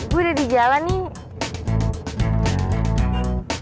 gue udah di jalan nih